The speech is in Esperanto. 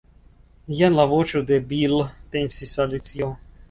"jen la voĉo de Bil," pensis Alicio.